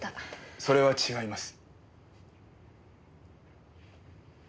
それは違います。